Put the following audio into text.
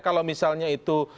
kalau misalnya itu